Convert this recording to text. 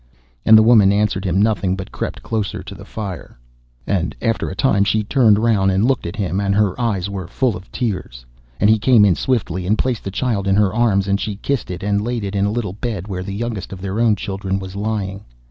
And the woman answered him nothing, but crept closer to the fire. And after a time she turned round and looked at him, and her eyes were full of tears. And he came in swiftly, and placed the child in her arms, and she kissed it, and laid it in a little bed where the youngest of their own children was lying.